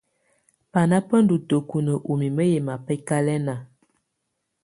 Banà bà ndù tǝkunǝ ù mimǝ yɛ̀ mabɛkalɛna.